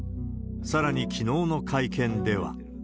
さらにきのうの会見では。